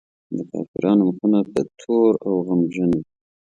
د کافرانو مخونه به تور او غمجن وي.